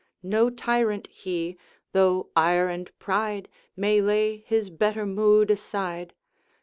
No tyrant he, though ire and pride May lay his better mood aside.